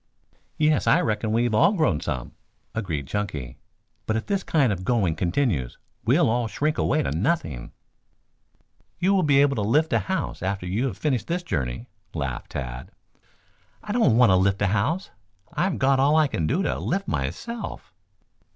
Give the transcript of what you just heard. "Yes, I reckon we've all grown some," agreed Chunky. "But if this kind of going continues we'll all shrink away to nothing." "You will be able to lift a house after you have finished this journey," laughed Tad. "I don't want to lift a house. I've got all I can do to lift myself."